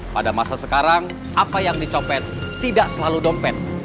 pada masa sekarang apa yang dicopet tidak selalu dompet